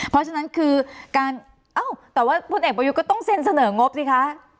เพราะฉะนั้นคือการเอ้าแต่ว่าพลเอกประยุทธ์ก็ต้องเซ็นเสนองบสิคะ